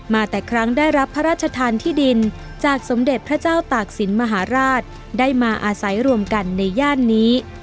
มาแต่ครั้งได้รับพระราชทานที่ดินจากสมเด็จพระเจ้าตากศิลป์มหาราชได้มาอาศัยรวมกันในย่านนี้